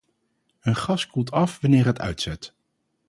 Een gas koelt af wanneer het uitzet.